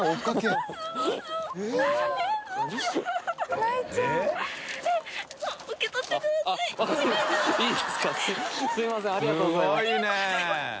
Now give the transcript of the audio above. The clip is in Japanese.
はいはいありがとうございます。